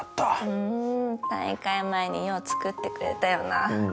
うん大会前によう作ってくれたよなうん